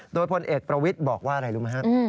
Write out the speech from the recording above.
โดยพลเอกประวิทย์บอกว่าอะไรรู้ไหมครับ